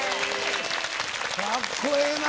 かっこええな。